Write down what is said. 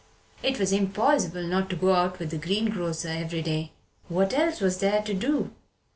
It was impossible not to go out with the greengrocer every day. What else was there to do?